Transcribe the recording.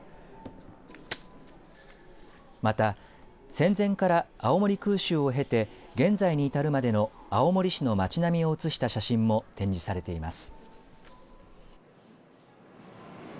また、戦前から青森空襲を経て現在に至るまでの青森市の街並みを写した写真も展示されています。